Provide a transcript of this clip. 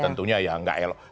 tentunya ya gak elo